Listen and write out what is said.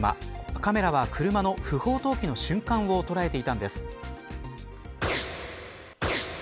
カメラは車の不法投棄の瞬間を捉えていたんです。